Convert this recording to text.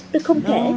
tôi không thể